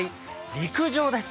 陸上です。